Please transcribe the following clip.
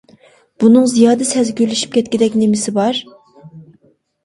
بۇنىڭ زىيادە سەزگۈرلىشىپ كەتكۈدەك نېمىسى بار.